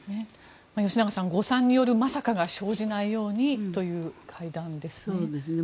吉永さん誤算によるまさかが生じないようにという会談ですね。